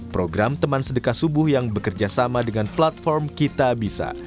program teman sedekah subuh yang bekerjasama dengan platform kita bisa